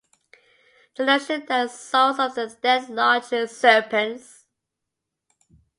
The notion that the souls of the dead lodge in serpents.